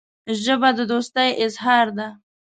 ژبه د دوستۍ اظهار ده